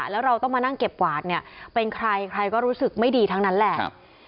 แล้วเราต้องมานั่งเก็บกวาดเนี่ยเป็นใครใครก็รู้สึกไม่ดีทั้งนั้นแหละ